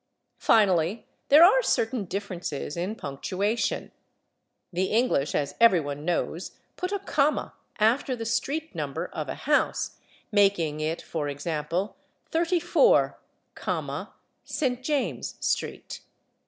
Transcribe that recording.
Finally, there are certain differences in punctuation. The English, as everyone knows, put a comma after the street number of a house, making it, for example, /34, St. James street